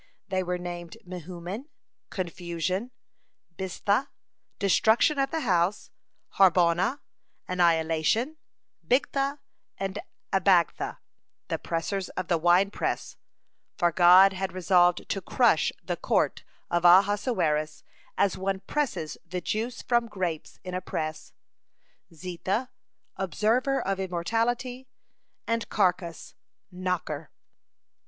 They were named: Mehuman, Confusion; Biztha, Destruction of the House; Harbonah, Annihilation; Bigtha and Abagtha, the Pressers of the Winepress, for God had resolved to crush the court of Ahasuerus as one presses the juice from grapes in a press; Zetha, Observer of Immorality; and Carcas, Knocker.